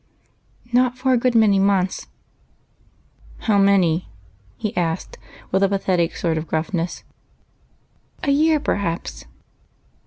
" Not for a good many months." "How many?" he asked with a pathetic sort of gruffness. "A year, j^erhaps."